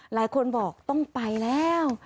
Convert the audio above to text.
หลายคนบอกต้องไปแล้ว